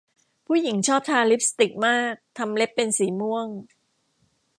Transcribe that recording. ผู้หญิงชอบทาลิปสติกมากทำเล็บเป็นสีม่วง